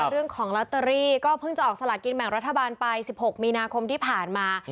เรื่องของลอตเตอรี่ก็เพิ่งจะออกสลากินแบ่งรัฐบาลไป๑๖มีนาคมที่ผ่านมา